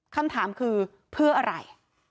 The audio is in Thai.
คำถามคือเพื่ออะไร